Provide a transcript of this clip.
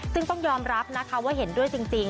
ซึ่งต้องยอมรับนะคะว่าเห็นด้วยจริง